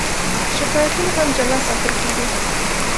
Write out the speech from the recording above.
شکایتونه هم جلا ساتل کېږي.